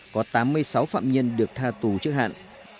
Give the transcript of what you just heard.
có tám mươi sáu phạm nhân được tha tù trước hạn